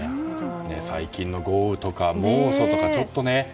最近の豪雨とか猛暑とかちょっとね。